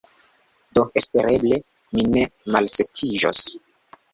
Do espereble mi ne malsekiĝos